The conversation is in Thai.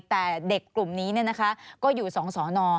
แต่เด็กกลุ่มนี้ก็อยู่๒สอนอ